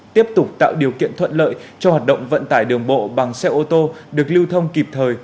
tiếp tục tạo điều kiện thuận lợi cho hoạt động vận tải đường bộ bằng xe ô tô được lưu thông kịp thời